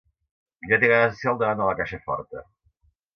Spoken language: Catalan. Ja té ganes de ser al davant de la caixa forta.